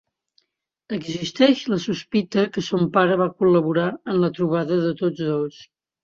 Existeix la sospita que son pare va col·laborar en la trobada de tots dos.